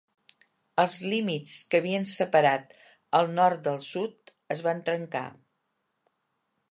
Els límits que havien separat el Nord del Sud es van trencar.